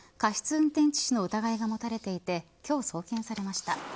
運転致死の疑いがもたれていて今日、送検されました。